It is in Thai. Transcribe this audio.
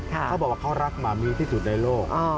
เขาบอกว่าเขารักหมามีที่สุดในโลก